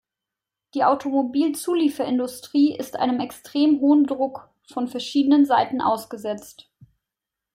Die Automobilzulieferindustrie ist einem extrem hohen Druck von verschiedenen Seiten ausgesetzt.